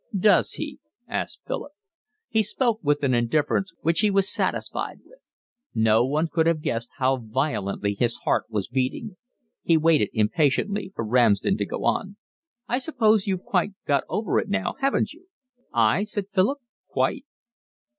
"Does he?" asked Philip. He spoke with an indifference which he was satisfied with. No one could have guessed how violently his heart was beating. He waited impatiently for Ramsden to go on. "I suppose you've quite got over it now, haven't you?" "I?" said Philip. "Quite."